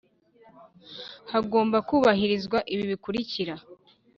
hagomba kubahirizwa ibi bikurikira: